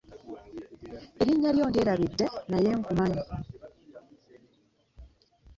Erinnya lyo ndyerabidde naye nkumanyi.